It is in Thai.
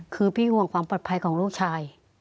คือพี่ห่วงความปลอดภัยของลูกชาย